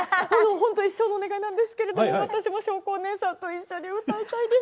本当一生のお願いなんですけれども私もしょうこお姉さんと一緒に歌いたいです。